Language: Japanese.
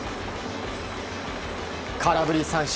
空振り三振。